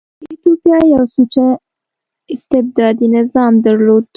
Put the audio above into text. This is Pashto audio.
ایتوپیا یو سوچه استبدادي نظام درلود.